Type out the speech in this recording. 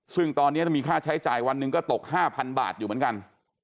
ซึ่งตอนนี้มีค่าใช้จ่ายวันหนึ่งก็ตก๕๐๐บาทอยู่เหมือนกัน